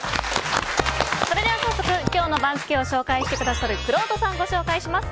それでは今日の番付を紹介してくださるくろうとさんをご紹介します。